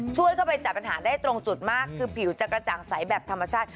ช่วยเข้าไปจัดปัญหาได้ตรงจุดมากคือผิวจะกระจ่างใสแบบธรรมชาติ